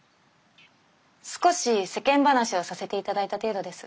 少し世間話をさせて頂いた程度です。